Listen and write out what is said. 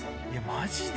マジで。